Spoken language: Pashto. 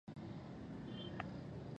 تورکى وايي مام زړه ورباندې يخ کړ.